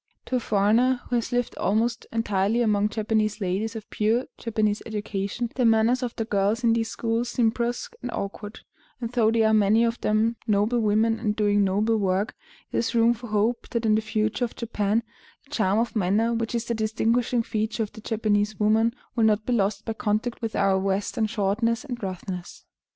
To a foreigner who has lived almost entirely among Japanese ladies of pure Japanese education, the manners of the girls in these schools seem brusque and awkward; and though they are many of them noble women and doing noble work, there is room for hope that in the future of Japan the charm of manner which is the distinguishing feature of the Japanese woman will not be lost by contact with our Western shortness and roughness.